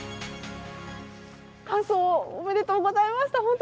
完走おめでとうございました。